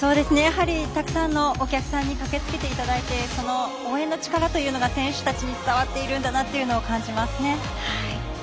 たくさんのお客さんに駆けつけていただいてその応援の力というのが選手たちに伝わっているんだなというのが感じますね。